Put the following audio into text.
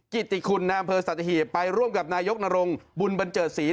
กิติคุณในอำเภอสัตหีบไปร่วมกับนายกนรงบุญบันเจิดศรี